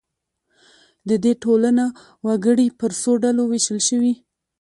د دې ټولنو وګړي پر څو ډلو وېشل شوي.